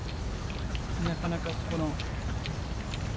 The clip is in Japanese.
なかなかこの。